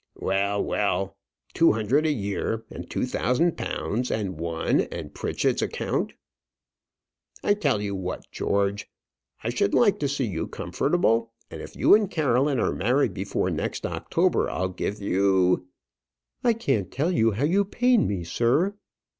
"Well, well; two hundred a year, and two thousand pounds, and one, and Pritchett's account. I'll tell you what, George, I should like to see you comfortable; and if you and Caroline are married before next October, I'll give you " "I can't tell you how you pain me, sir."